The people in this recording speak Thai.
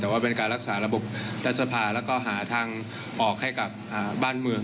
แต่ว่าเป็นการรักษาระบบรัฐสภาแล้วก็หาทางออกให้กับบ้านเมือง